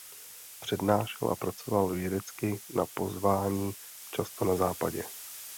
Přednášel a pracoval vědecky na pozvání často na Západě.